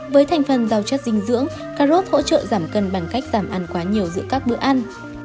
với thành phần giàu chất dinh dưỡng cà rốt hỗ trợ giảm cân bằng cách giảm ăn quá nhiều giữa các bữa ăn